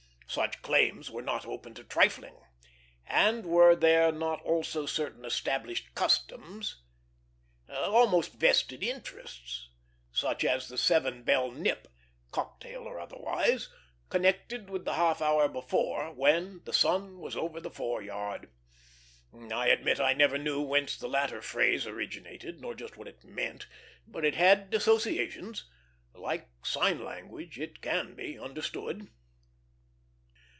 Such claims were not open to trifling; and were there not also certain established customs, almost vested interests, such as the seven bell nip, cocktail or otherwise, connected with the half hour before, when "the sun was over the fore yard"? I admit I never knew whence the latter phrase originated, nor just what it meant, but it has associations. Like sign language, it can be understood.